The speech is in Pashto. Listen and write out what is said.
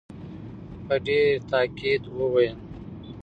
په ډېر تاءکید وویل.